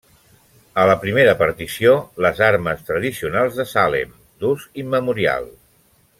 A la primera partició, les armes tradicionals de Salem, d'ús immemorial.